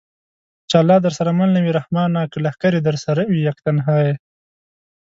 چې الله درسره مل نه وي رحمانه! که لښکرې درسره وي یک تنها یې